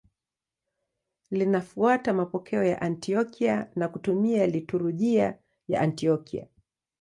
Linafuata mapokeo ya Antiokia na kutumia liturujia ya Antiokia.